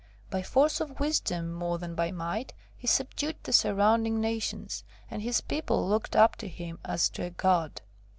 By force of wisdom more than by might, he subdued the surrounding nations, and his people looked up to him as to a god.